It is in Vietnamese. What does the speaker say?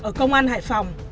ở công an hải phòng